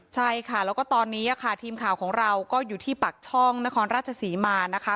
ใช่ค่ะแล้วก็ตอนนี้ค่ะทีมข่าวของเราก็อยู่ที่ปากช่องนครราชศรีมานะคะ